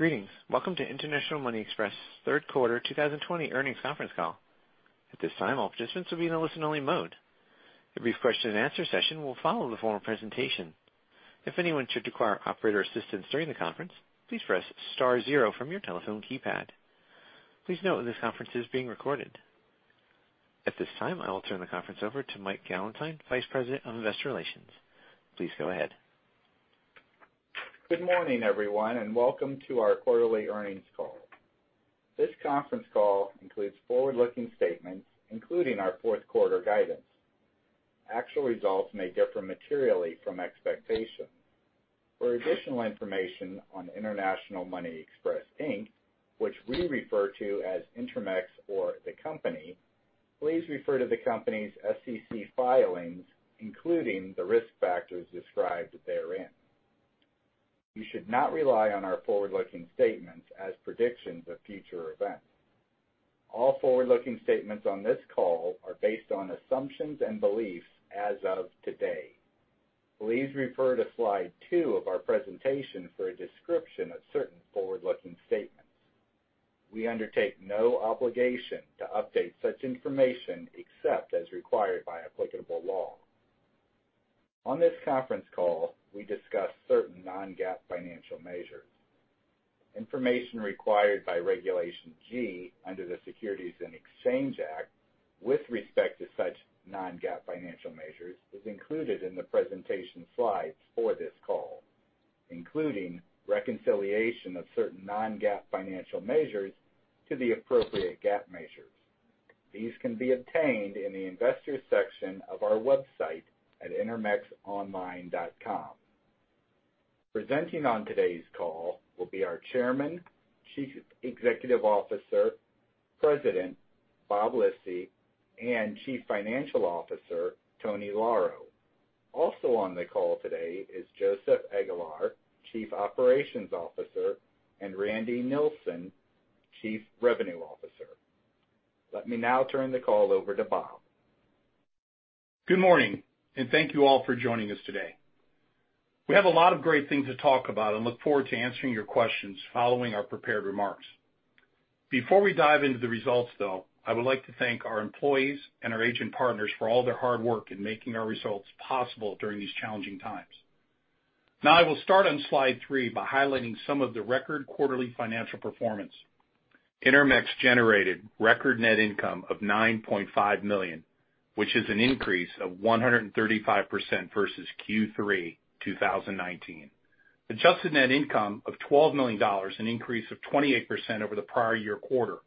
Greetings. Welcome to International Money Express' third quarter 2020 earnings conference call. At this time, all participants will be in a listen-only mode. A brief question-and-answer session will follow the formal presentation. If anyone should require operator assistance during the conference, please press star zero from your telephone keypad. Please note this conference is being recorded. At this time, I will turn the conference over to Mike Gallentine, Vice President of Investor Relations. Please go ahead. Good morning, everyone, welcome to our quarterly earnings call. This conference call includes forward-looking statements, including our fourth quarter guidance. Actual results may differ materially from expectations. For additional information on International Money Express Inc., which we refer to as Intermex or the company, please refer to the company's SEC filings, including the risk factors described therein. You should not rely on our forward-looking statements as predictions of future events. All forward-looking statements on this call are based on assumptions and beliefs as of today. Please refer to slide two of our presentation for a description of certain forward-looking statements. We undertake no obligation to update such information, except as required by applicable law. On this conference call, we discuss certain non-GAAP financial measures. Information required by Regulation G under the Securities and Exchange Act with respect to such non-GAAP financial measures is included in the presentation slides for this call, including reconciliation of certain non-GAAP financial measures to the appropriate GAAP measures. These can be obtained in the Investors section of our website at intermexonline.com. Presenting on today's call will be our Chairman, Chief Executive Officer, President, Bob Lisy, and Chief Financial Officer, Tony Lauro. Also on the call today is Joseph Aguilar, Chief Operations Officer, and Randy Nilsen, Chief Revenue Officer. Let me now turn the call over to Bob. Good morning, and thank you all for joining us today. We have a lot of great things to talk about and look forward to answering your questions following our prepared remarks. Before we dive into the results, though, I would like to thank our employees and our agent partners for all their hard work in making our results possible during these challenging times. I will start on slide three by highlighting some of the record quarterly financial performance. Intermex generated record net income of $9.5 million, which is an increase of 135% versus Q3 2019. Adjusted net income of $12 million, an increase of 28% over the prior year quarter.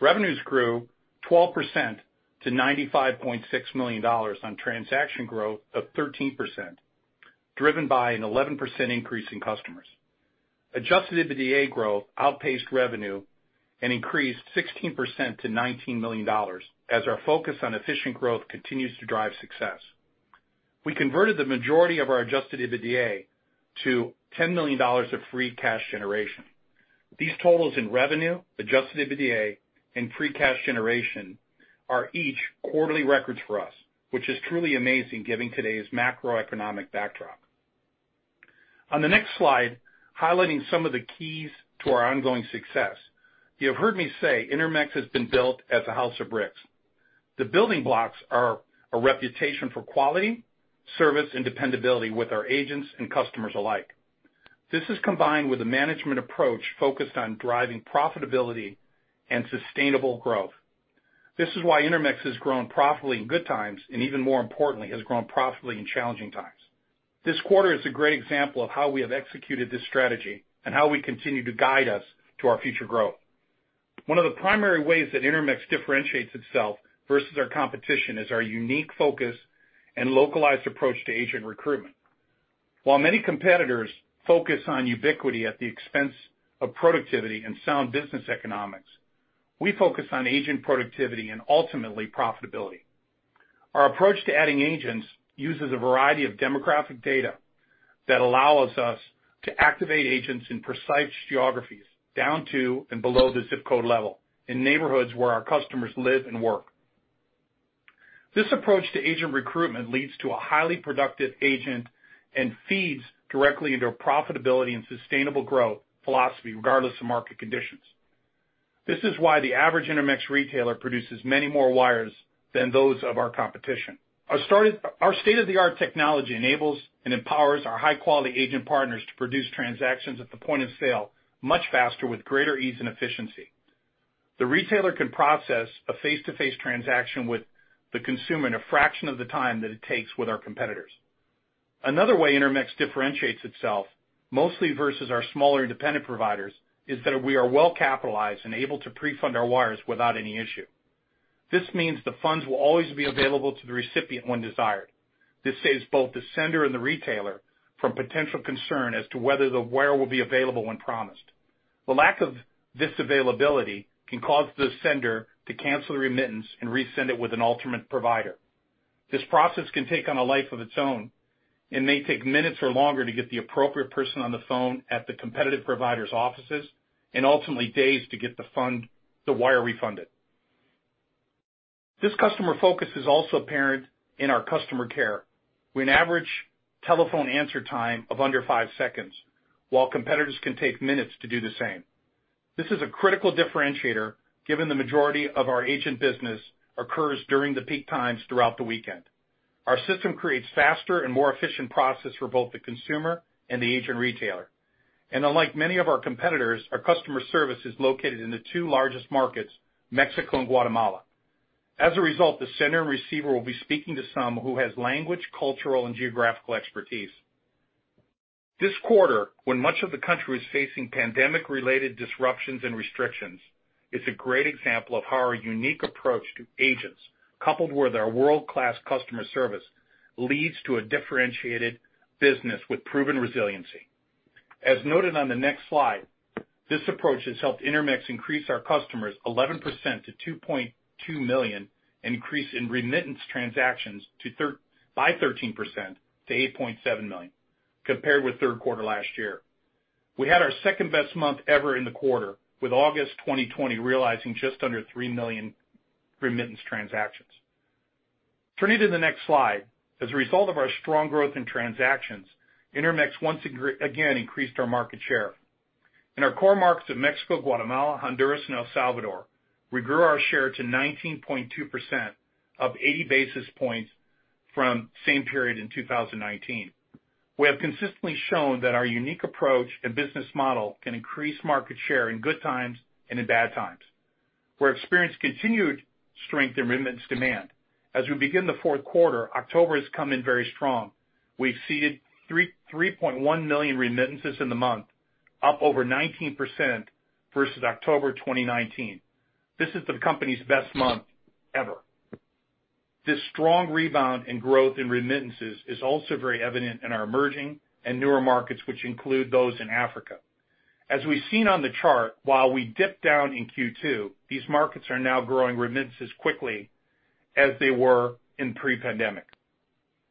Revenues grew 12% to $95.6 million on transaction growth of 13%, driven by an 11% increase in customers. Adjusted EBITDA growth outpaced revenue and increased 16% to $19 million as our focus on efficient growth continues to drive success. We converted the majority of our Adjusted EBITDA to $10 million of free cash generation. These totals in revenue, Adjusted EBITDA, and free cash generation are each quarterly records for us, which is truly amazing given today's macroeconomic backdrop. On the next slide, highlighting some of the keys to our ongoing success. You have heard me say Intermex has been built as a house of bricks. The building blocks are a reputation for quality, service, and dependability with our agents and customers alike. This is combined with a management approach focused on driving profitability and sustainable growth. This is why Intermex has grown profitably in good times and, even more importantly, has grown profitably in challenging times. This quarter is a great example of how we have executed this strategy and how we continue to guide us to our future growth. One of the primary ways that Intermex differentiates itself versus our competition is our unique focus and localized approach to agent recruitment. While many competitors focus on ubiquity at the expense of productivity and sound business economics, we focus on agent productivity and ultimately profitability. Our approach to adding agents uses a variety of demographic data that allows us to activate agents in precise geographies down to and below the zip code level in neighborhoods where our customers live and work. This approach to agent recruitment leads to a highly productive agent and feeds directly into our profitability and sustainable growth philosophy regardless of market conditions. This is why the average Intermex retailer produces many more wires than those of our competition. Our state-of-the-art technology enables and empowers our high-quality agent partners to produce transactions at the point of sale much faster with greater ease and efficiency. The retailer can process a face-to-face transaction with the consumer in a fraction of the time that it takes with our competitors. Another way Intermex differentiates itself, mostly versus our smaller independent providers, is that we are well capitalized and able to pre-fund our wires without any issue. This means the funds will always be available to the recipient when desired. This saves both the sender and the retailer from potential concern as to whether the wire will be available when promised. The lack of this availability can cause the sender to cancel the remittance and resend it with an alternate provider. This process can take on a life of its own and may take minutes or longer to get the appropriate person on the phone at the competitive provider's offices and ultimately days to get the wire refunded. This customer focus is also apparent in our customer care. We have an average telephone answer time of under five seconds, while competitors can take minutes to do the same. This is a critical differentiator given the majority of our agent business occurs during the peak times throughout the weekend. Our system creates faster and more efficient process for both the consumer and the agent retailer. Unlike many of our competitors, our customer service is located in the two largest markets, Mexico and Guatemala. As a result, the sender and receiver will be speaking to someone who has language, cultural, and geographical expertise. This quarter, when much of the country was facing pandemic-related disruptions and restrictions, is a great example of how our unique approach to agents, coupled with our world-class customer service, leads to a differentiated business with proven resiliency. As noted on the next slide, this approach has helped Intermex increase our customers 11% to 2.2 million, an increase in remittance transactions by 13% to 8.7 million, compared with third quarter last year. We had our second-best month ever in the quarter with August 2020 realizing just under 3 million remittance transactions. Turning to the next slide, as a result of our strong growth in transactions, Intermex once again increased our market share. In our core markets of Mexico, Guatemala, Honduras, and El Salvador, we grew our share to 19.2% up 80 basis points from same period in 2019. We have consistently shown that our unique approach and business model can increase market share in good times and in bad times. We've experienced continued strength in remittance demand. As we begin the fourth quarter, October has come in very strong. We've exceeded 3.1 million remittances in the month, up over 19% versus October 2019. This is the company's best month ever. This strong rebound in growth in remittances is also very evident in our emerging and newer markets, which include those in Africa. As we've seen on the chart, while we dipped down in Q2, these markets are now growing remittances quickly as they were in pre-pandemic.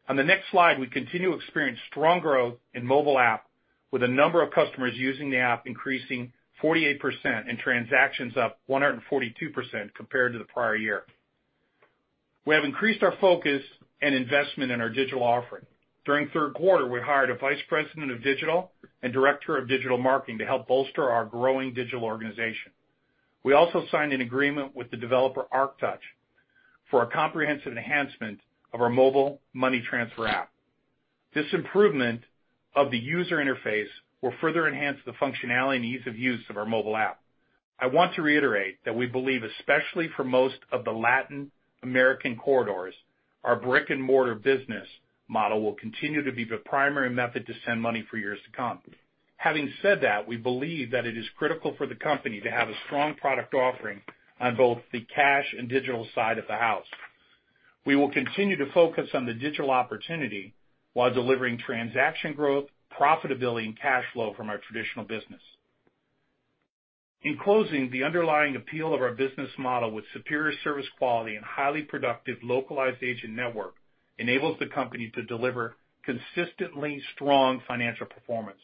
On the next slide, we continue to experience strong growth in mobile app with the number of customers using the app increasing 48% and transactions up 142% compared to the prior year. We have increased our focus and investment in our digital offering. During third quarter, we hired a vice president of digital and director of digital marketing to help bolster our growing digital organization. We also signed an agreement with the developer ArcTouch for a comprehensive enhancement of our mobile money transfer app. This improvement of the user interface will further enhance the functionality and ease of use of our mobile app. I want to reiterate that we believe, especially for most of the Latin American corridors, our brick-and-mortar business model will continue to be the primary method to send money for years to come. Having said that, we believe that it is critical for the company to have a strong product offering on both the cash and digital side of the house. We will continue to focus on the digital opportunity while delivering transaction growth, profitability, and cash flow from our traditional business. In closing, the underlying appeal of our business model with superior service quality and highly productive localized agent network enables the company to deliver consistently strong financial performance.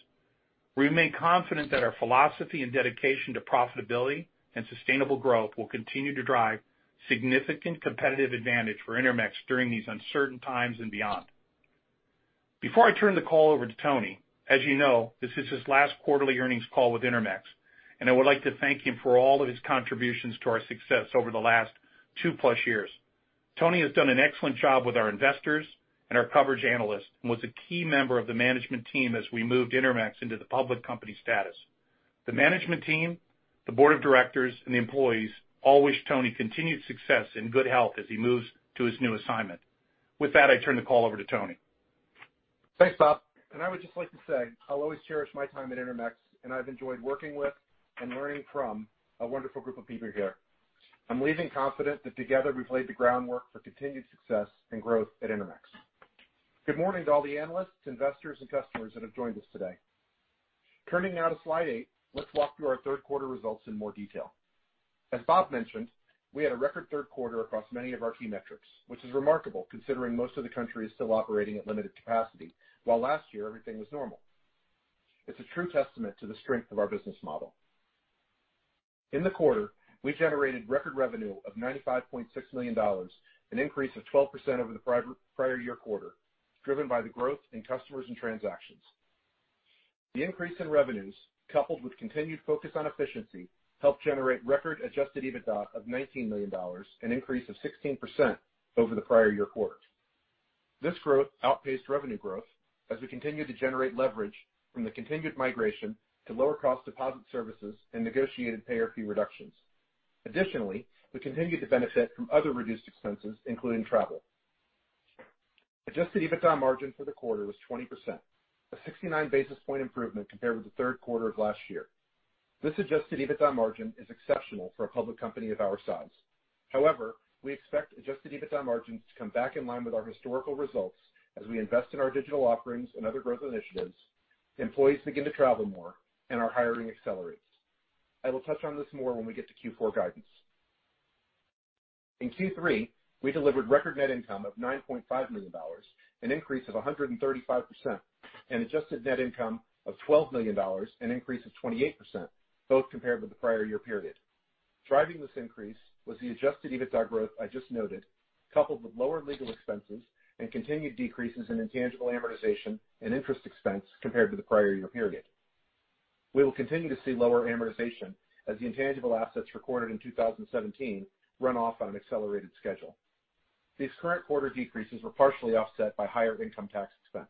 We remain confident that our philosophy and dedication to profitability and sustainable growth will continue to drive significant competitive advantage for Intermex during these uncertain times and beyond. Before I turn the call over to Tony, as you know, this is his last quarterly earnings call with Intermex, and I would like to thank him for all of his contributions to our success over the last two plus years. Tony has done an excellent job with our investors and our coverage analysts and was a key member of the management team as we moved Intermex into the public company status. The management team, the board of directors, and the employees all wish Tony continued success and good health as he moves to his new assignment. With that, I turn the call over to Tony. Thanks, Bob. I would just like to say I'll always cherish my time at Intermex, and I've enjoyed working with and learning from a wonderful group of people here. I'm leaving confident that together we've laid the groundwork for continued success and growth at Intermex. Good morning to all the analysts, investors, and customers that have joined us today. Turning now to slide eight, let's walk through our third quarter results in more detail. As Bob mentioned, we had a record third quarter across many of our key metrics, which is remarkable considering most of the country is still operating at limited capacity, while last year everything was normal. It's a true testament to the strength of our business model. In the quarter, we generated record revenue of $95.6 million, an increase of 12% over the prior year quarter, driven by the growth in customers and transactions. The increase in revenues, coupled with continued focus on efficiency, helped generate record Adjusted EBITDA of $19 million, an increase of 16% over the prior year quarter. This growth outpaced revenue growth as we continued to generate leverage from the continued migration to lower-cost deposit services and negotiated payer fee reductions. Additionally, we continued to benefit from other reduced expenses, including travel. Adjusted EBITDA margin for the quarter was 20%, a 69 basis point improvement compared with the third quarter of last year. This Adjusted EBITDA margin is exceptional for a public company of our size. However, we expect Adjusted EBITDA margins to come back in line with our historical results as we invest in our digital offerings and other growth initiatives, employees begin to travel more, and our hiring accelerates. I will touch on this more when we get to Q4 guidance. In Q3, we delivered record net income of $9.5 million, an increase of 135%. Adjusted net income of $12 million, an increase of 28%, both compared with the prior year period. Driving this increase was the Adjusted EBITDA growth I just noted, coupled with lower legal expenses and continued decreases in intangible amortization and interest expense compared to the prior year period. We will continue to see lower amortization as the intangible assets recorded in 2017 run off on an accelerated schedule. These current quarter decreases were partially offset by higher income tax expense.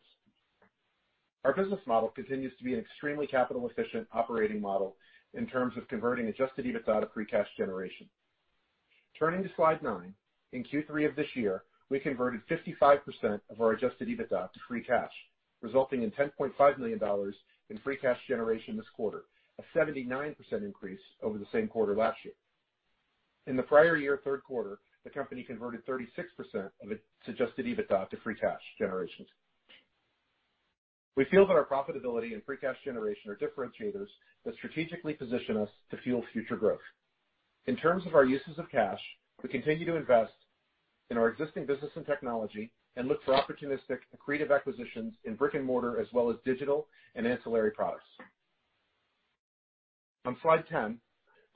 Our business model continues to be an extremely capital-efficient operating model in terms of converting Adjusted EBITDA to free cash generation. Turning to slide nine. In Q3 of this year, we converted 55% of our Adjusted EBITDA to free cash, resulting in $10.5 million in free cash generation this quarter, a 79% increase over the same quarter last year. In the prior year, third quarter, the company converted 36% of its Adjusted EBITDA to free cash generation. We feel that our profitability and free cash generation are differentiators that strategically position us to fuel future growth. In terms of our uses of cash, we continue to invest in our existing business and technology and look for opportunistic, accretive acquisitions in brick and mortar as well as digital and ancillary products. On slide 10,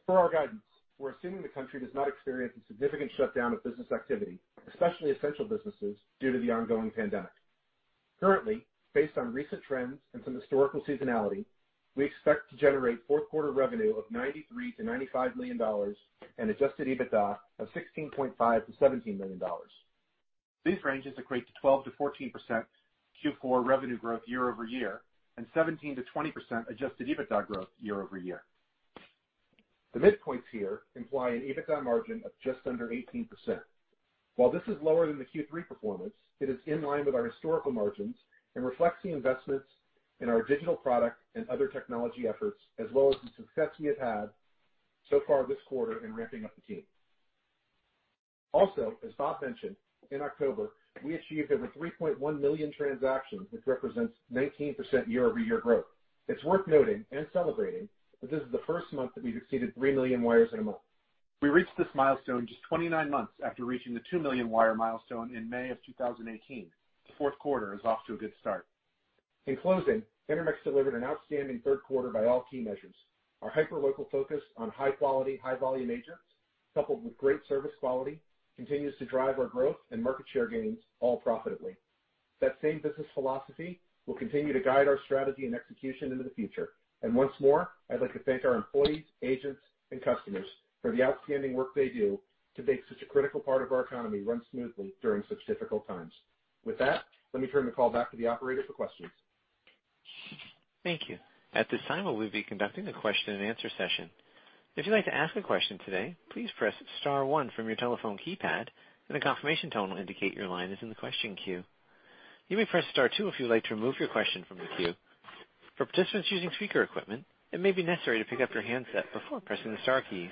for our guidance, we're assuming the country does not experience a significant shutdown of business activity, especially essential businesses, due to the ongoing pandemic. Currently, based on recent trends and some historical seasonality, we expect to generate fourth quarter revenue of $93 million-$95 million and Adjusted EBITDA of $16.5 million-$17 million. These ranges equate to 12%-14% Q4 revenue growth year-over-year and 17%-20% Adjusted EBITDA growth year-over-year. The midpoints here imply an EBITDA margin of just under 18%. While this is lower than the Q3 performance, it is in line with our historical margins and reflects the investments in our digital product and other technology efforts, as well as the success we have had so far this quarter in ramping up the team. Also, as Bob mentioned, in October, we achieved over 3.1 million transactions, which represents 19% year-over-year growth. It's worth noting and celebrating that this is the first month that we've exceeded 3 million wires in a month. We reached this milestone just 29 months after reaching the 2 million wire milestone in May of 2018. The fourth quarter is off to a good start. In closing, Intermex delivered an outstanding third quarter by all key measures. Our hyperlocal focus on high-quality, high-volume agents, coupled with great service quality, continues to drive our growth and market share gains all profitably. That same business philosophy will continue to guide our strategy and execution into the future. Once more, I'd like to thank our employees, agents, and customers for the outstanding work they do to make such a critical part of our economy run smoothly during such difficult times. With that, let me turn the call back to the operator for questions. Thank you. At this time, we will be conducting a question and answer session. If you'd like to ask a question today, please press star one from your telephone keypad and a confirmation tone will indicate your line is in the question queue. You may press star two if you'd like to remove your question from the queue. For participants using speaker equipment, it may be necessary to pick up your handset before pressing the star keys.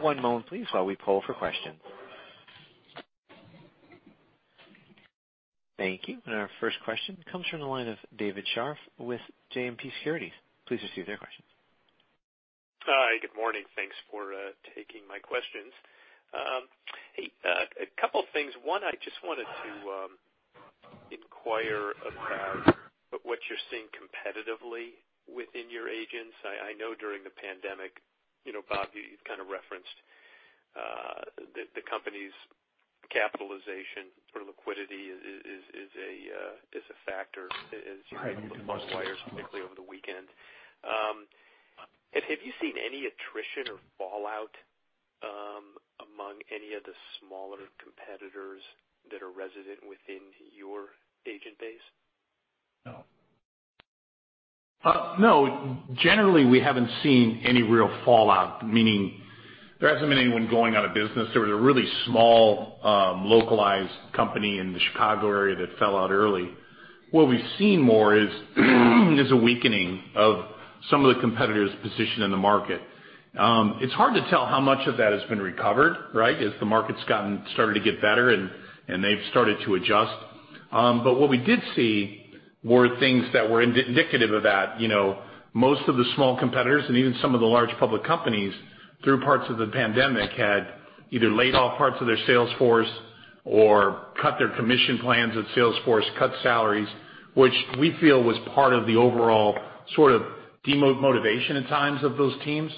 One moment please while we poll for questions. Thank you. Our first question comes from the line of David Scharf with JMP Securities. Please proceed with your question. Hi. Good morning. Thanks for taking my questions. Hey, a couple things. One, I just wanted to inquire about what you're seeing competitively within your agents. I know during the pandemic, Bob, you kind of referenced the company's capitalization or liquidity is a factor as you're handling more wires, particularly over the weekend. Have you seen any attrition or fallout among any of the smaller competitors that are resident within your agent base? No. Generally, we haven't seen any real fallout, meaning there hasn't been anyone going out of business. There was a really small, localized company in the Chicago area that fell out early. What we've seen more is a weakening of some of the competitors' position in the market. It's hard to tell how much of that has been recovered, right? As the market's started to get better and they've started to adjust. What we did see were things that were indicative of that. Most of the small competitors, and even some of the large public companies, through parts of the pandemic, had either laid off parts of their sales force or cut their commission plans of their sales force, cut salaries, which we feel was part of the overall sort of demotivation at times of those teams,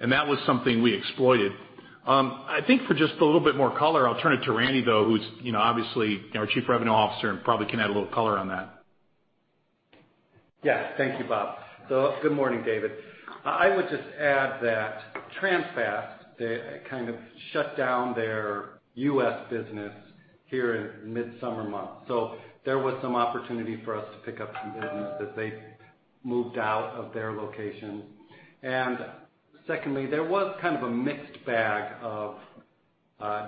and that was something we exploited. I think for just a little bit more color, I'll turn it to Randy, though, who's obviously our Chief Revenue Officer and probably can add a little color on that. Yeah. Thank you, Bob. Good morning, David. I would just add that Transfast kind of shut down their U.S. business here in mid-summer months. There was some opportunity for us to pick up some business as they moved out of their locations. Secondly, there was kind of a mixed bag of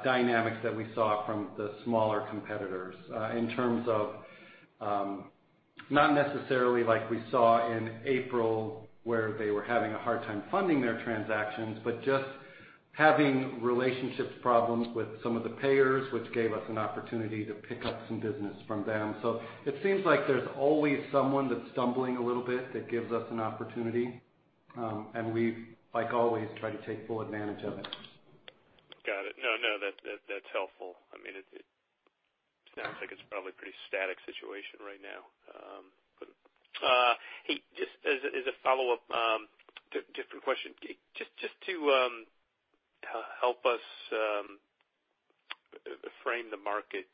dynamics that we saw from the smaller competitors in terms of not necessarily like we saw in April, where they were having a hard time funding their transactions, but just having relationships problems with some of the payers, which gave us an opportunity to pick up some business from them. It seems like there's always someone that's stumbling a little bit that gives us an opportunity, and we, like always, try to take full advantage of it. Got it. No, that's helpful. It sounds like it's probably a pretty static situation right now. Hey, just as a follow-up, different question. Just to help us frame the market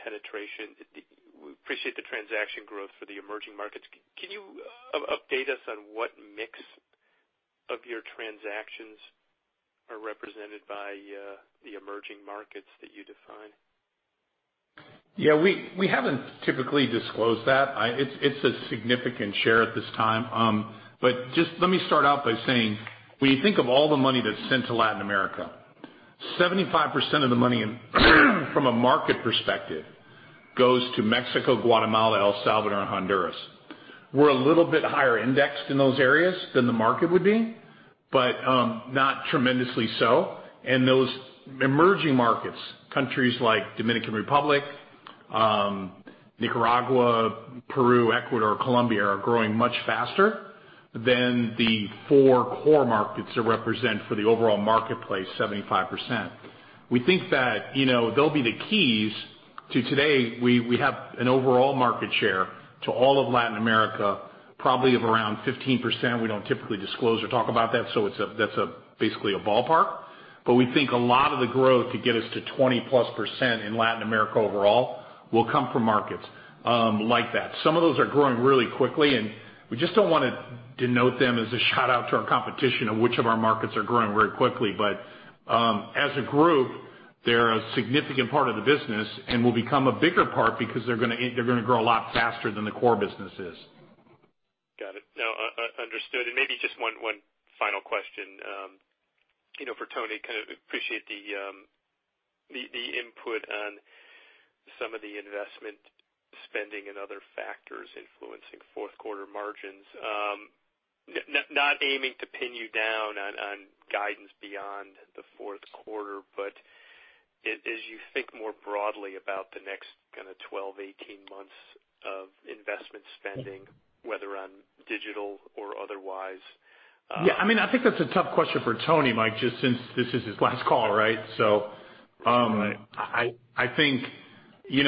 penetration, we appreciate the transaction growth for the emerging markets. Can you update us on what mix of your transactions are represented by the emerging markets that you define? Yeah. We haven't typically disclosed that. It's a significant share at this time. Just let me start out by saying, when you think of all the money that's sent to Latin America, 75% of the money, from a market perspective, goes to Mexico, Guatemala, El Salvador, and Honduras. We're a little bit higher indexed in those areas than the market would be, but not tremendously so. Those emerging markets, countries like Dominican Republic, Nicaragua, Peru, Ecuador, Colombia, are growing much faster than the four core markets that represent for the overall marketplace, 75%. We think that they'll be the keys to today, we have an overall market share to all of Latin America, probably of around 15%. We don't typically disclose or talk about that, so that's basically a ballpark. We think a lot of the growth to get us to 20%+ in Latin America overall will come from markets like that. Some of those are growing really quickly, and we just don't want to denote them as a shout-out to our competition of which of our markets are growing very quickly. As a group, they're a significant part of the business and will become a bigger part because they're going to grow a lot faster than the core business is. Got it. No, understood. Maybe just one final question. For Tony, appreciate the input on some of the investment spending and other factors influencing fourth quarter margins. Not aiming to pin you down on guidance beyond the fourth quarter, as you think more broadly about the next 12, 18 months of investment spending, whether on digital or otherwise. Yeah, I think that's a tough question for Tony, Mike, just since this is his last call, right? I think we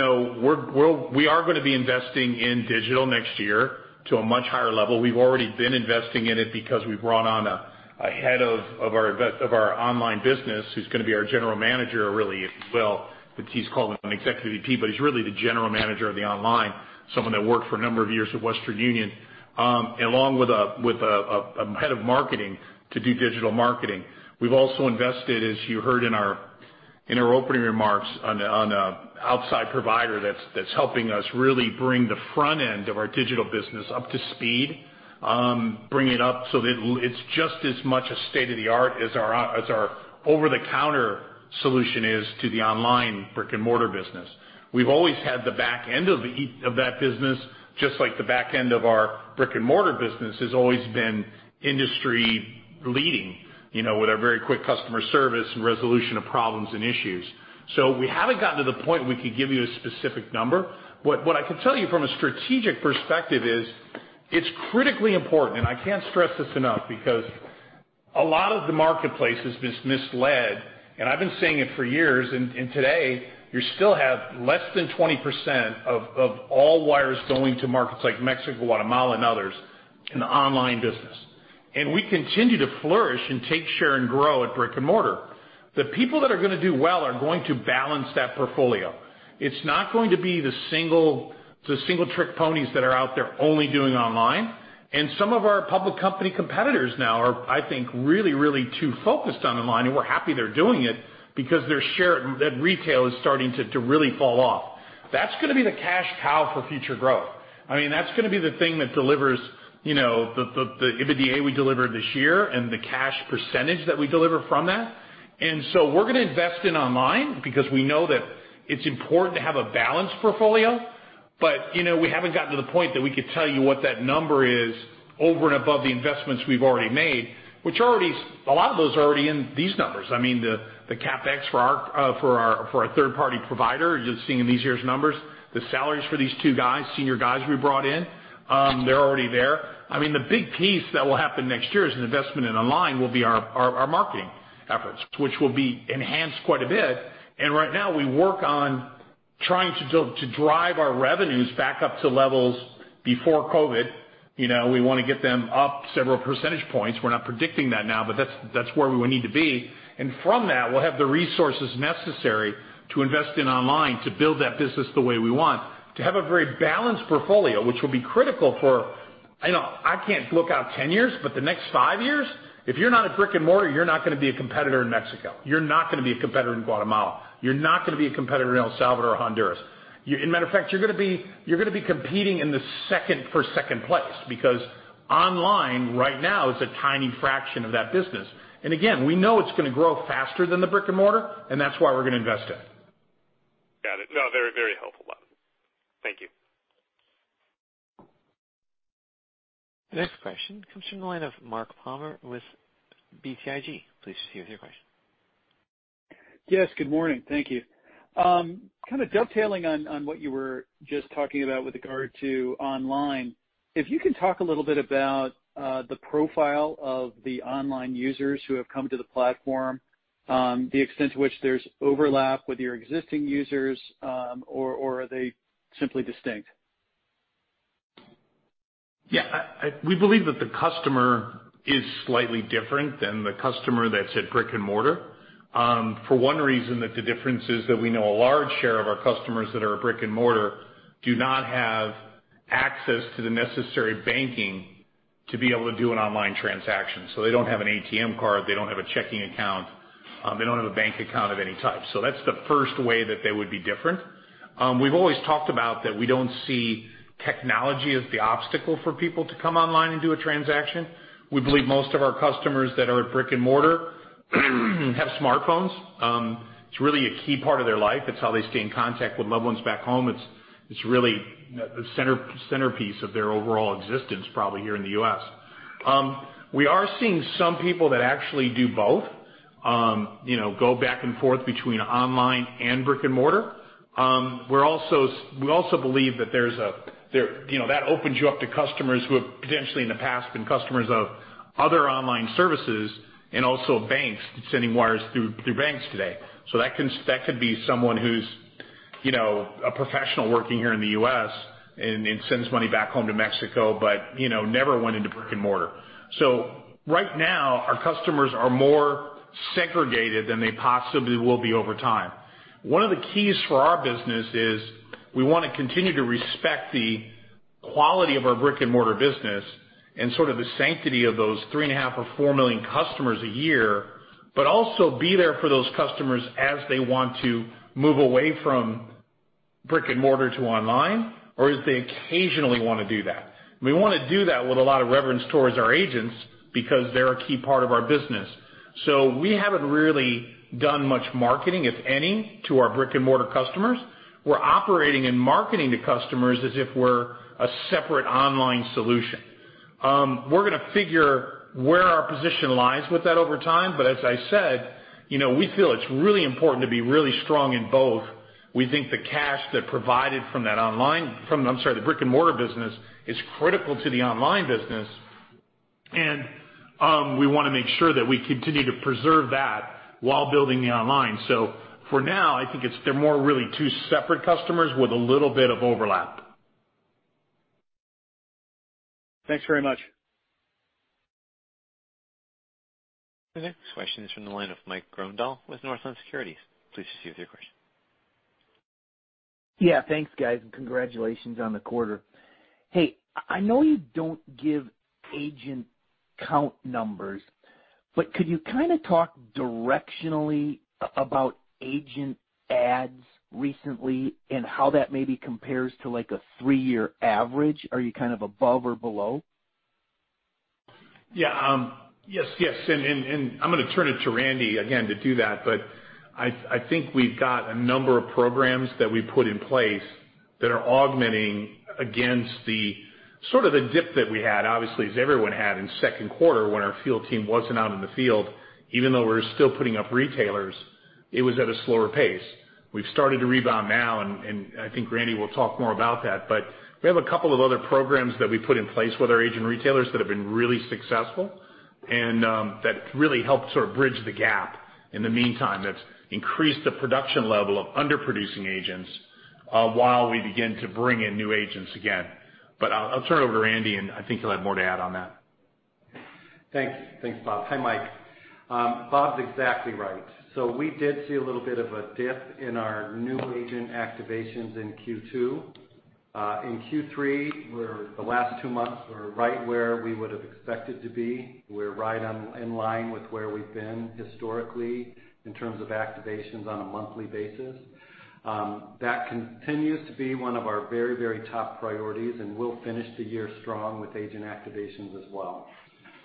are going to be investing in digital next year to a much higher level. We've already been investing in it because we've brought on a head of our online business, who's going to be our general manager, really, if you will, but he's called an Executive VP, but he's really the general manager of the online, someone that worked for a number of years at Western Union, along with a head of marketing to do digital marketing. We've also invested, as you heard in our opening remarks, on an outside provider that's helping us really bring the front end of our digital business up to speed. Bring it up so that it's just as much a state-of-the-art as our over-the-counter solution is to the online brick-and-mortar business. We've always had the back end of that business, just like the back end of our brick-and-mortar business has always been industry leading, with our very quick customer service and resolution of problems and issues. We haven't gotten to the point we could give you a specific number. What I can tell you from a strategic perspective is, it's critically important, and I can't stress this enough, because a lot of the marketplace has been misled, and I've been saying it for years, and today, you still have less than 20% of all wires going to markets like Mexico, Guatemala, and others in the online business. We continue to flourish and take share and grow at brick-and-mortar. The people that are going to do well are going to balance that portfolio. It's not going to be the single-trick ponies that are out there only doing online. Some of our public company competitors now are, I think, really, really too focused online, and we're happy they're doing it because their share at retail is starting to really fall off. That's going to be the cash cow for future growth. That's going to be the thing that delivers the EBITDA we delivered this year and the cash percentage that we deliver from that. We're going to invest in online because we know that it's important to have a balanced portfolio but we haven't gotten to the point that we could tell you what that number is over and above the investments we've already made, which a lot of those are already in these numbers. The CapEx for our third-party provider, you're seeing in this year's numbers. The salaries for these two guys, senior guys we brought in, they're already there. The big piece that will happen next year as an investment in online will be our marketing efforts, which will be enhanced quite a bit. Right now, we work on trying to drive our revenues back up to levels before COVID. We want to get them up several percentage points. We're not predicting that now, but that's where we need to be. From that, we'll have the resources necessary to invest in online to build that business the way we want, to have a very balanced portfolio, which will be critical for, I can't look out 10 years, but the next five years, if you're not a brick-and-mortar, you're not going to be a competitor in Mexico. You're not going to be a competitor in Guatemala. You're not going to be a competitor in El Salvador or Honduras. As a matter of fact, you're going to be competing in the second for second place because online right now is a tiny fraction of that business. Again, we know it's going to grow faster than the brick-and-mortar, and that's why we're going to invest in it. Got it. No, very helpful. Thank you. The next question comes from the line of Mark Palmer with BTIG. Please proceed with your question. Yes. Good morning. Thank you. Kind of dovetailing on what you were just talking about with regard to online. If you can talk a little bit about the profile of the online users who have come to the platform, the extent to which there's overlap with your existing users, or are they simply distinct? We believe that the customer is slightly different than the customer that's at brick and mortar. For one reason that the difference is that we know a large share of our customers that are at brick and mortar do not have access to the necessary banking to be able to do an online transaction so they don't have an ATM card, they don't have a checking account, they don't have a bank account of any type. That's the first way that they would be different. We've always talked about that we don't see technology as the obstacle for people to come online and do a transaction. We believe most of our customers that are at brick and mortar have smartphones. It's really a key part of their life. It's how they stay in contact with loved ones back home. It's really the centerpiece of their overall existence, probably here in the U.S. We are seeing some people that actually do both, go back and forth between online and brick and mortar. We also believe that opens you up to customers who have potentially in the past been customers of other online services and also banks, sending wires through banks today. That could be someone who's a professional working here in the U.S. and sends money back home to Mexico, but never went into brick and mortar. Right now, our customers are more segregated than they possibly will be over time. One of the keys for our business is we want to continue to respect the quality of our brick and mortar business and sort of the sanctity of those 3.5 or 4 million customers a year. Also be there for those customers as they want to move away from brick and mortar to online, or as they occasionally want to do that. We want to do that with a lot of reverence towards our agents because they're a key part of our business. We haven't really done much marketing, if any, to our brick and mortar customers. We're operating and marketing to customers as if we're a separate online solution. We're going to figure where our position lies with that over time, but as I said, we feel it's really important to be really strong in both. We think the cash that provided from the brick and mortar business is critical to the online business, and we want to make sure that we continue to preserve that while building the online. For now, I think they're more really two separate customers with a little bit of overlap. Thanks very much. The next question is from the line of Mike Grondahl with Northland Securities. Please proceed with your question. Yeah. Thanks, guys, and congratulations on the quarter. Hey, I know you don't give agent count numbers, but could you kind of talk directionally about agent adds recently and how that maybe compares to a three-year average? Are you above or below? Yes, and I'm going to turn it to Randy again to do that, but I think we've got a number of programs that we put in place that are augmenting against the sort of the dip that we had, obviously, as everyone had in second quarter when our field team wasn't out in the field, even though we were still putting up retailers, it was at a slower pace. We've started to rebound now, and I think Randy will talk more about that, but we have a couple of other programs that we put in place with our agent retailers that have been really successful and that really helped sort of bridge the gap in the meantime, that's increased the production level of under-producing agents while we begin to bring in new agents again. I'll turn it over to Randy, and I think he'll have more to add on that. Thanks, Bob. Hi, Mike. Bob's exactly right. We did see a little bit of a dip in our new agent activations in Q2. In Q3, the last two months were right where we would've expected to be. We're right in line with where we've been historically in terms of activations on a monthly basis. That continues to be one of our very top priorities, and we'll finish the year strong with agent activations as well.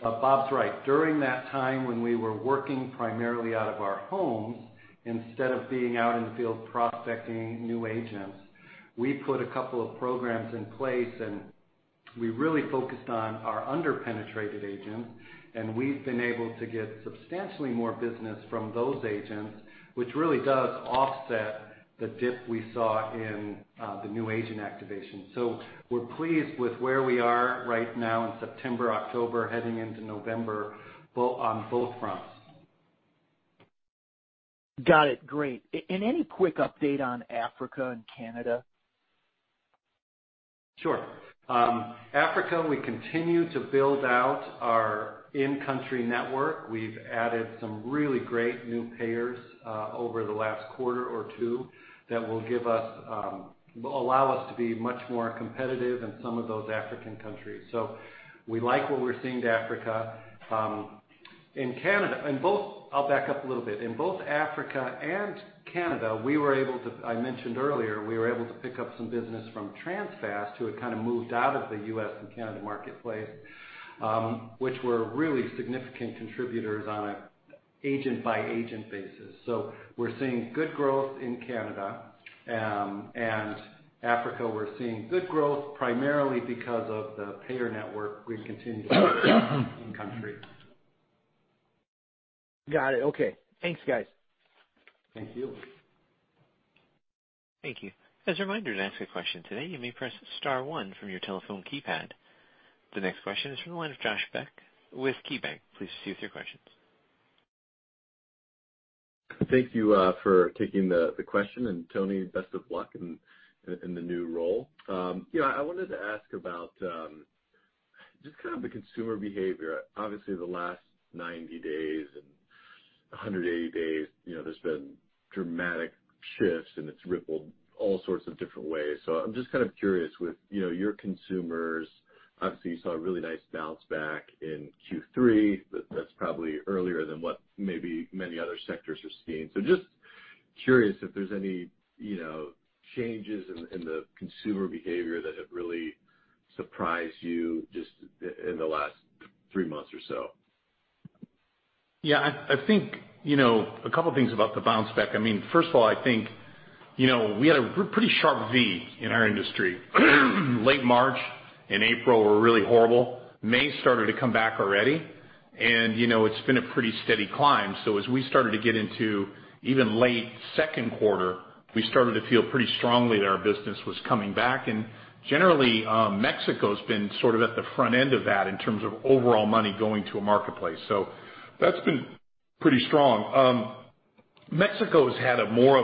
Bob's right. During that time when we were working primarily out of our homes, instead of being out in the field prospecting new agents, we put a couple of programs in place and we really focused on our under-penetrated agents, and we've been able to get substantially more business from those agents, which really does offset the dip we saw in the new agent activation. We're pleased with where we are right now in September, October, heading into November on both fronts. Got it. Great. Any quick update on Africa and Canada? Sure. Africa, we continue to build out our in-country network, we've added some really great new payers over the last quarter or two that will allow us to be much more competitive in some of those African countries. We like what we're seeing in Africa. I'll back up a little bit. In both Africa and Canada, I mentioned earlier, we were able to pick up some business from Transfast, who had kind of moved out of the U.S. and Canada marketplace, which were really significant contributors on an agent-by-agent basis. We're seeing good growth in Canada. Africa, we're seeing good growth primarily because of the payer network we've continued to build out in country Got it. Okay. Thanks, guys. Thank you. Thank you. As a reminder, to ask a question today, you may press star one from your telephone keypad. The next question is from the line of Josh Beck with KeyBanc. Please proceed with your questions. Thank you for taking the question, and Tony, best of luck in the new role. I wanted to ask about just kind of the consumer behavior. Obviously, the last 90 days and 180 days, there's been dramatic shifts, and it's rippled all sorts of different ways. I'm just kind of curious with your consumers, obviously you saw a really nice bounce back in Q3, but that's probably earlier than what maybe many other sectors are seeing. Just curious if there's any changes in the consumer behavior that have really surprised you just in the last three months or so. Yeah, I think a couple of things about the bounce back. First of all, I think we had a pretty sharp V in our industry. Late March and April were really horrible. May started to come back already. It's been a pretty steady climb. As we started to get into even late second quarter, we started to feel pretty strongly that our business was coming back. Generally, Mexico's been sort of at the front end of that in terms of overall money going to a marketplace. That's been pretty strong. Mexico's had a more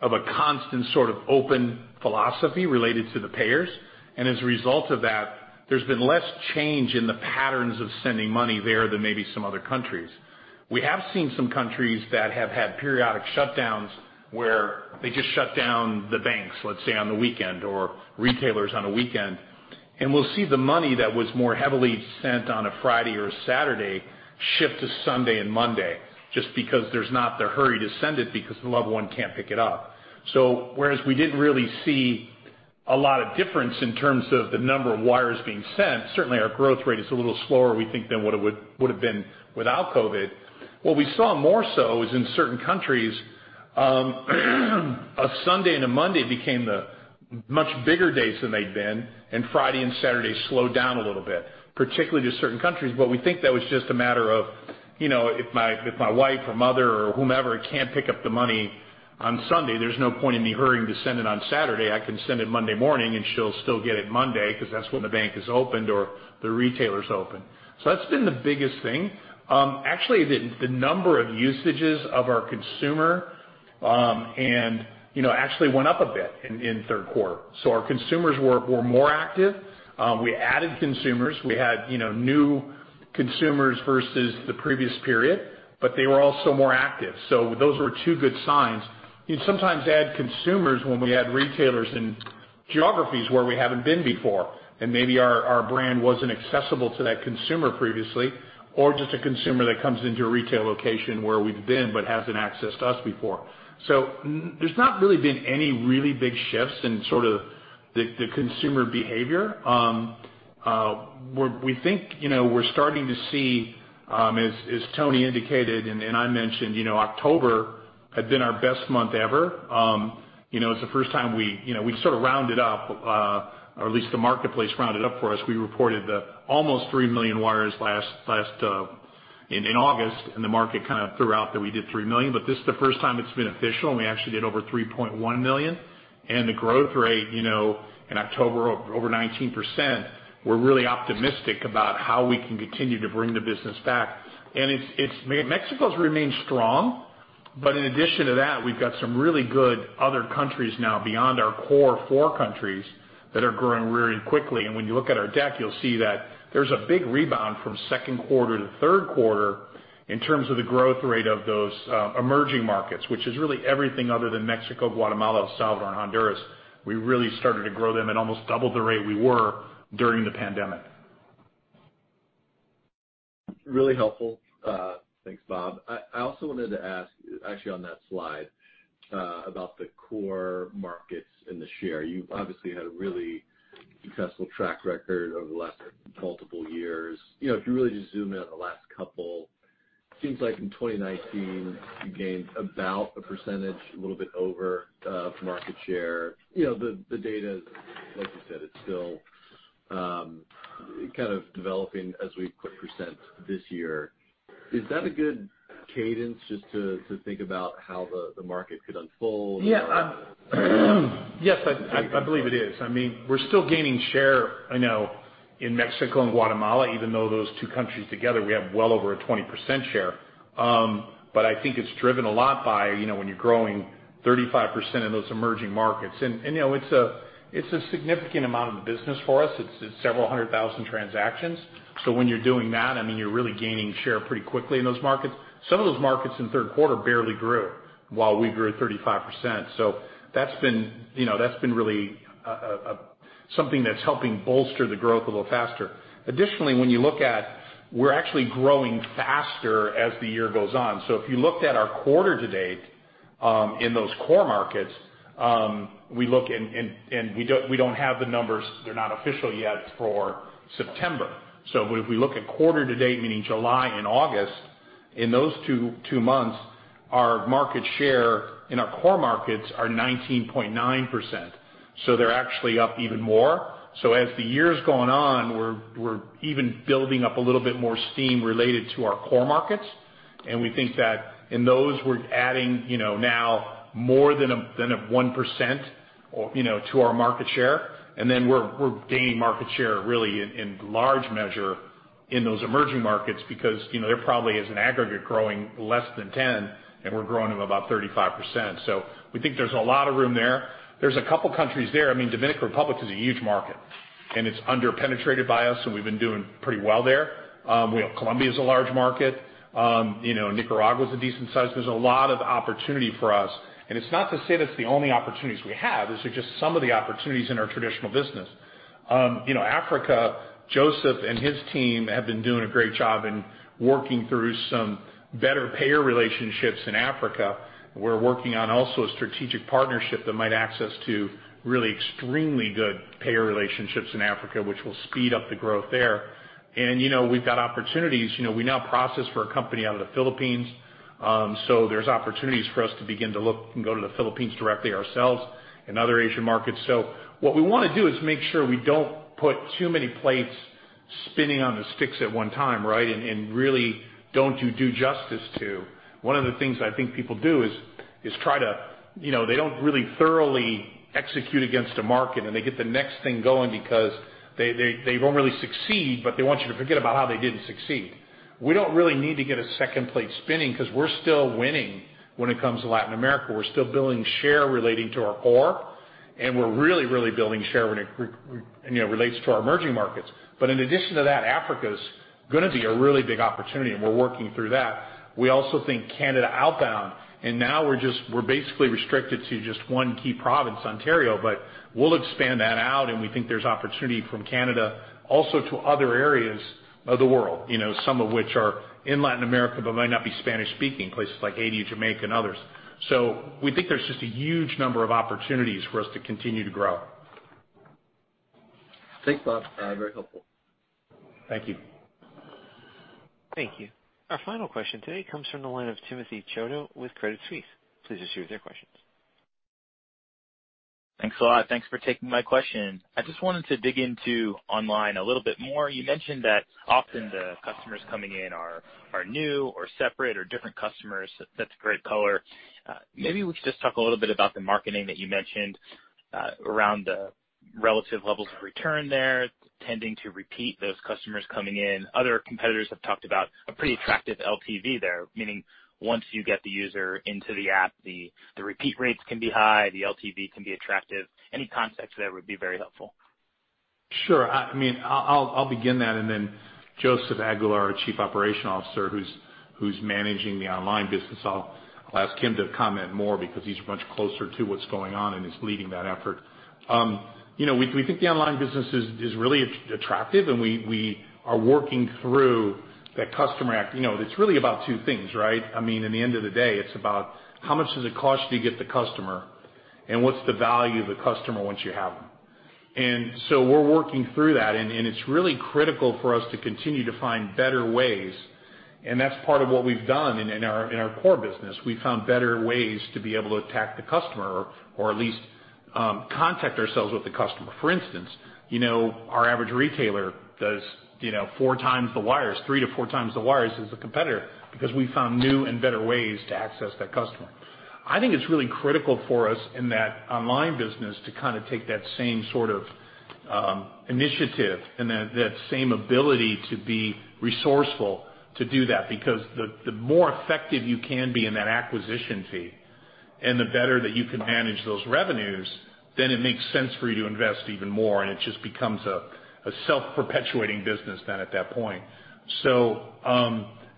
of a constant sort of open philosophy related to the payers. As a result of that, there's been less change in the patterns of sending money there than maybe some other countries. We have seen some countries that have had periodic shutdowns where they just shut down the banks, let's say on the weekend, or retailers on a weekend. We'll see the money that was more heavily sent on a Friday or a Saturday shift to Sunday and Monday, just because there's not the hurry to send it because the loved one can't pick it up. Whereas we didn't really see a lot of difference in terms of the number of wires being sent, certainly our growth rate is a little slower, we think, than what it would have been without COVID. What we saw more so is in certain countries, a Sunday and a Monday became the much bigger days than they'd been, and Friday and Saturday slowed down a little bit, particularly to certain countries. We think that was just a matter of if my wife or mother or whomever can't pick up the money on Sunday, there's no point in me hurrying to send it on Saturday. I can send it Monday morning and she'll still get it Monday because that's when the bank is opened or the retailer is open. That's been the biggest thing. Actually, the number of usages of our consumer actually went up a bit in third quarter. Our consumers were more active. We added consumers. We had new consumers versus the previous period, but they were also more active. Those were two good signs. You'd sometimes add consumers when we add retailers in geographies where we haven't been before, and maybe our brand wasn't accessible to that consumer previously, or just a consumer that comes into a retail location where we've been but hasn't accessed us before. There's not really been any really big shifts in sort of the consumer behavior. We think we're starting to see, as Tony indicated and I mentioned, October had been our best month ever. It's the first time we sort of rounded up, or at least the marketplace rounded up for us. We reported almost 3 million wires in August, and the market kind of threw out that we did 3 million. This is the first time it's been official, and we actually did over 3.1 million. The growth rate, in October, over 19%, we're really optimistic about how we can continue to bring the business back. Mexico's remained strong. In addition to that, we've got some really good other countries now beyond our core four countries that are growing really quickly. When you look at our deck, you'll see that there's a big rebound from second quarter to third quarter in terms of the growth rate of those emerging markets, which is really everything other than Mexico, Guatemala, El Salvador, and Honduras. We really started to grow them at almost double the rate we were during the pandemic. Really helpful. Thanks, Bob. I also wanted to ask, actually on that slide, about the core markets and the share. You've obviously had a really successful track record over the last multiple years. If you really just zoom in on the last couple, seems like in 2019 you gained about a percentage, a little bit over, of market share. The data is, like you said, it's still kind of developing as we present this year. Is that a good cadence just to think about how the market could unfold? Yeah. Yes, I believe it is. We're still gaining share in Mexico and Guatemala, even though those two countries together, we have well over a 20% share. I think it's driven a lot by when you're growing 35% in those emerging markets. It's a significant amount of the business for us. It's several hundred thousand transactions. When you're doing that, you're really gaining share pretty quickly in those markets. Some of those markets in the third quarter barely grew while we grew 35%. That's been really something that's helping bolster the growth a little faster. Additionally, when you look at we're actually growing faster as the year goes on. If you looked at our quarter to date in those core markets, and we don't have the numbers, they're not official yet for September. If we look at quarter to date, meaning July and August, in those two months, our market share in our core markets are 19.9%, so they're actually up even more. As the year's gone on, we're even building up a little bit more steam related to our core markets, and we think that in those, we're adding now more than a 1% to our market share. We're gaining market share really in large measure in those emerging markets because they're probably as an aggregate growing less than 10% and we're growing them about 35%. We think there's a lot of room there. There's a couple countries there. Dominican Republic is a huge market and it's under-penetrated by us, and we've been doing pretty well there. Colombia's a large market. Nicaragua's a decent size. There's a lot of opportunity for us. It's not to say that's the only opportunities we have. These are just some of the opportunities in our traditional business. Africa, Joseph and his team have been doing a great job in working through some better payer relationships in Africa. We're working on also a strategic partnership that might access to really extremely good payer relationships in Africa, which will speed up the growth there. We've got opportunities. We now process for a company out of the Philippines. There's opportunities for us to begin to look and go to the Philippines directly ourselves and other Asian markets. What we want to do is make sure we don't put too many plates spinning on the sticks at one time, right? And really don't do justice to. One of the things I think people do is they don't really thoroughly execute against a market, and they get the next thing going because they don't really succeed, but they want you to forget about how they didn't succeed. We don't really need to get a second plate spinning because we're still winning when it comes to Latin America. We're still building share relating to our core, and we're really building share when it relates to our emerging markets. In addition to that, Africa's going to be a really big opportunity, and we're working through that. We also think Canada outbound, and now we're basically restricted to just one key province, Ontario, but we'll expand that out, and we think there's opportunity from Canada also to other areas of the world, some of which are in Latin America but might not be Spanish-speaking, places like Haiti, Jamaica, and others. We think there's just a huge number of opportunities for us to continue to grow. Thanks, Bob. Very helpful. Thank you. Thank you. Our final question today comes from the line of Timothy Chiodo with Credit Suisse. Please issue with your questions. Thanks a lot. Thanks for taking my question. I just wanted to dig into online a little bit more. You mentioned that often the customers coming in are new or separate or different customers. That's great color. Maybe we could just talk a little bit about the marketing that you mentioned around the relative levels of return there, tending to repeat those customers coming in. Other competitors have talked about a pretty attractive LTV there, meaning once you get the user into the app, the repeat rates can be high, the LTV can be attractive. Any context there would be very helpful. Sure. I'll begin that and then Joseph Aguilar, our Chief Operating Officer, who's managing the online business, I'll ask him to comment more because he's much closer to what's going on and is leading that effort. We think the online business is really attractive, and we are working through that customer acquisition. It's really about two things, right? I mean at the end of the day, it's about how much does it cost you to get the customer, and what's the value of the customer once you have them? We're working through that, and it's really critical for us to continue to find better ways, and that's part of what we've done in our core business. We found better ways to be able to attract the customer or at least contact the customer. For instance, our average retailer does 4x the wires, 3x-4x the wires as a competitor because we found new and better ways to access that customer. I think it's really critical for us in that online business to take that same sort of initiative and that same ability to be resourceful to do that because the more effective you can be in that acquisition fee and the better that you can manage those revenues, it makes sense for you to invest even more, and it just becomes a self-perpetuating business then at that point.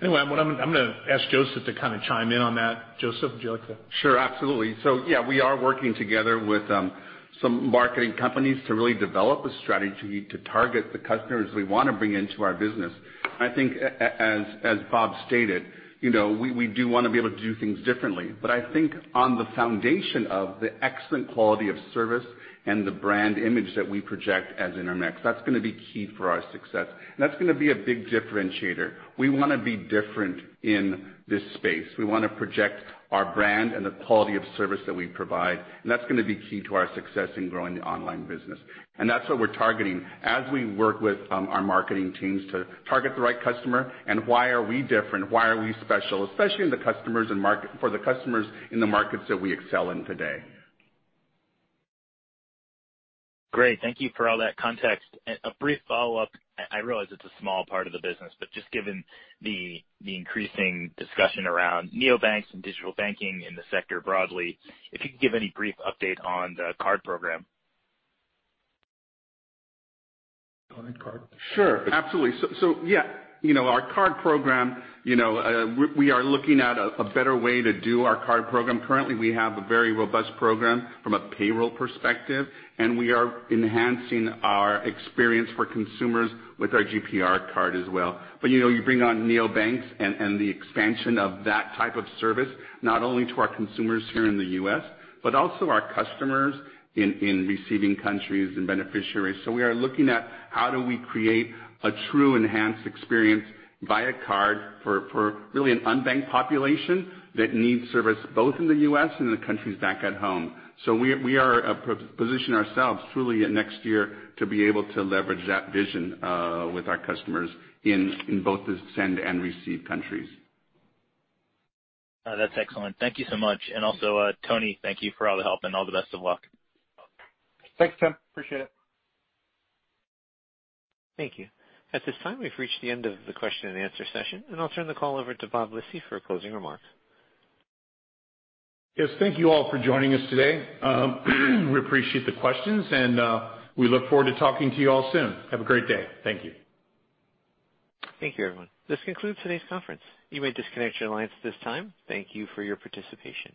Anyway, I'm going to ask Joseph to chime in on that. Joseph, would you like to? Sure, absolutely. Yeah, we are working together with some marketing companies to really develop a strategy to target the customers we want to bring into our business. I think as Bob stated, we do want to be able to do things differently. I think on the foundation of the excellent quality of service and the brand image that we project as Intermex, that's going to be key for our success, and that's going to be a big differentiator. We want to be different in this space. We want to project our brand and the quality of service that we provide, and that's going to be key to our success in growing the online business. That's what we're targeting as we work with our marketing teams to target the right customer and why are we different, why are we special, especially for the customers in the markets that we excel in today. Great. Thank you for all that context. A brief follow-up. I realize it's a small part of the business, but just given the increasing discussion around neobanks and digital banking in the sector broadly, if you could give any brief update on the card program? On the card? Sure, absolutely. Yeah, our card program we are looking at a better way to do our card program. Currently, we have a very robust program from a payroll perspective, and we are enhancing our experience for consumers with our GPR card as well. You bring on neobanks and the expansion of that type of service, not only to our consumers here in the U.S., but also our customers in receiving countries and beneficiaries. We are looking at how do we create a true enhanced experience via card for really an unbanked population that needs service both in the U.S. and in the countries back at home. We are positioning ourselves truly next year to be able to leverage that vision with our customers in both the send and receive countries. That's excellent. Thank you so much. Tony, thank you for all the help and all the best of luck. Thanks, Tim. Appreciate it. Thank you. At this time, we've reached the end of the question and answer session, and I'll turn the call over to Bob Lisy for closing remarks. Yes, thank you all for joining us today. We appreciate the questions, and we look forward to talking to you all soon. Have a great day. Thank you. Thank you, everyone. This concludes today's conference. You may disconnect your lines at this time. Thank you for your participation.